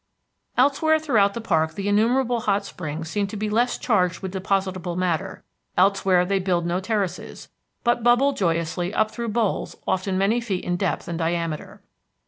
Elsewhere throughout the park the innumerable hot springs seem to be less charged with depositable matter; elsewhere they build no terraces, but bubble joyously up through bowls often many feet in depth and diameter.